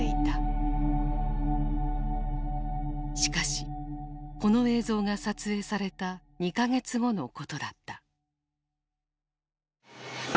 しかしこの映像が撮影された２か月後のことだった。